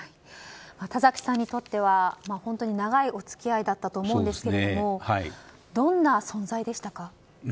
田崎さんにとっては本当に長いお付き合いだったと思うんですけどどんな存在でしたか。